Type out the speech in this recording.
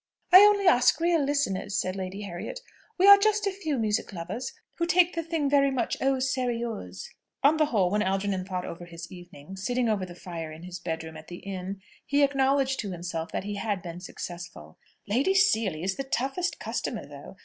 "I only ask real listeners," said Lady Harriet. "We are just a few music lovers who take the thing very much au sérieux." On the whole, when Algernon thought over his evening, sitting over the fire in his bedroom at the inn, he acknowledged to himself that he had been successful. "Lady Seely is the toughest customer, though!